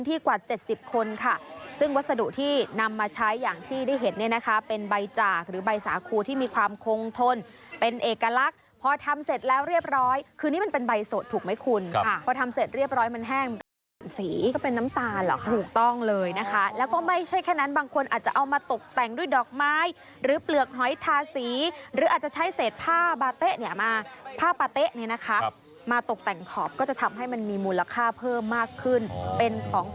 เรียบร้อยคือนี่มันเป็นใบสดถูกไหมคุณครับพอทำเสร็จเรียบร้อยมันแห้งสีก็เป็นน้ำตาลหรอถูกต้องเลยนะคะแล้วก็ไม่ใช่แค่นั้นบางคนอาจจะเอามาตกแต่งด้วยดอกไม้หรือเปลือกหอยทาสีหรืออาจจะใช้เศษผ้าบาเตะเนี้ยมาผ้าปาเตะเนี้ยนะคะครับมาตกแต่งขอบก็จะทำให้มันมีมูลค่าเพิ่มมากขึ้